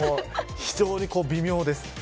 非常に微妙です。